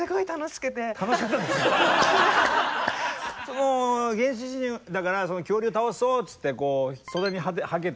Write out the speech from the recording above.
もう原始人だから恐竜を倒そうっつって袖にはけた。